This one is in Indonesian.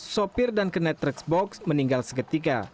sopir dan kernet truk box meninggal seketika